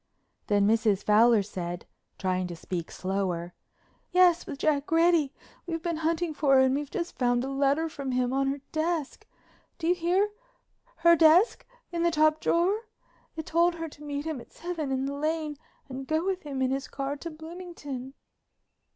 Then Mrs. Fowler said, trying to speak slower: "Yes, with Jack Reddy. We've been hunting for her and we've just found a letter from him in her desk. Do you hear—her desk, in the top drawer? It told her to meet him at seven in the Lane and go with him in his car to Bloomington."